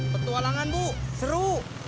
petualangan bu seru